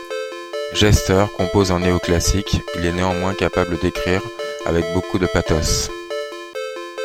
Gerster compose en néo-classique, il est néanmoins capable d'écrire avec beaucoup de pathos.